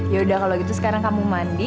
ya udah kalau gitu sekarang kamu mandi